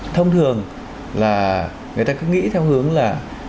thông thường là người ta cứ nghĩ theo hướng là